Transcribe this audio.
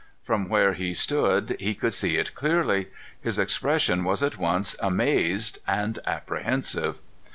From where he stood, he could see it clearly. His expression was at once amazed and apprehensive.